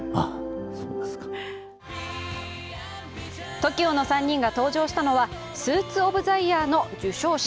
ＴＯＫＩＯの３人が登場したのは、スーツオブザイヤーの授賞式。